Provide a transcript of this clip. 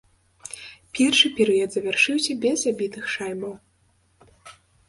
Першы перыяд завяршыўся без забітых шайбаў.